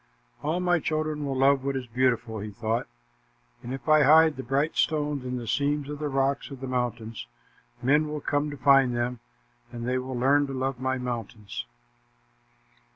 "All my children will love what is beautiful," he thought, "and if I hide the bright stones in the seams of the rocks of the mountains, men will come to find them, and they will learn to love my mountains."